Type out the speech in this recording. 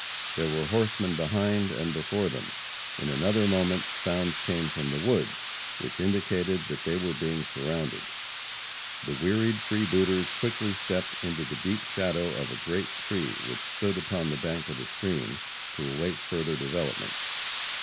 There were horsemen behind and before them. In another moment, sounds came from the woods, which indicated that they were being surrounded. The wearied freebooters quickly stepped into the deep shadow of a great tree which stood upon the bank of the stream, to await further developments.